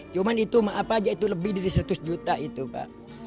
cuma itu apa aja itu lebih dari seratus juta itu pak